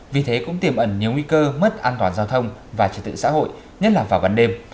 vì thế cũng tiềm ẩn nhiều nguy cơ mất an toàn giao thông và trật tự xã hội nhất là vào ban đêm